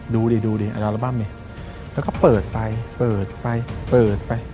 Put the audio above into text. ดูดิดูดิอัลบั้มนี่แล้วก็เปิดไปเปิดไปเปิดไป